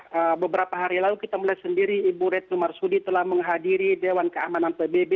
karena beberapa hari lalu kita melihat sendiri ibu retno marsudi telah menghadiri dewan keamanan pbb